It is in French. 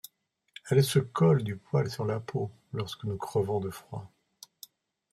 Elles se collent du poil sur la peau, lorsque nous crevons de froid…